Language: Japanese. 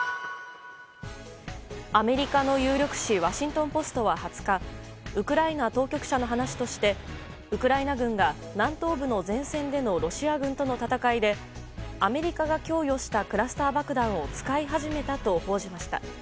アメリカの有力紙ワシントン・ポストは２０日ウクライナ当局者の話としてウクライナ軍が南東部の前線でのロシア軍との戦いでアメリカが供与したクラスター爆弾を使い始めたと報じました。